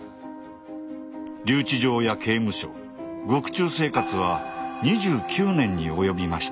留置場や刑務所獄中生活は２９年に及びました。